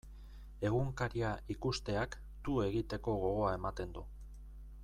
Egunkaria ikusteak tu egiteko gogoa ematen du.